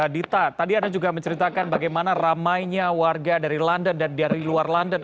dita tadi anda juga menceritakan bagaimana ramainya warga dari london dan dari luar london